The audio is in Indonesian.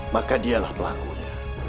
maka dialah pelakunya